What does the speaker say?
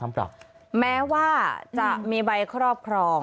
แม้ว่าจะมีใบครอบครอง